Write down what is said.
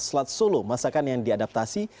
selat solo masakan yang diadaptasi